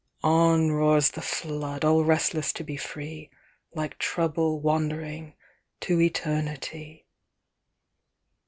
On roars the flood, all restless to be free, Like Trouble wandering to Eternity.